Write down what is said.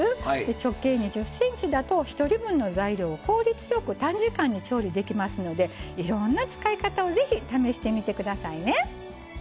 直径２０ｃｍだと１人分の材料を効率よく短時間に調理できますのでいろんな使い方を是非試してみて下さいね。